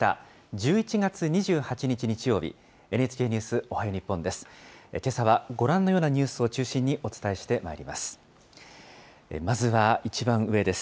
１１月２８日日曜日、ＮＨＫニュースおはよう日本です。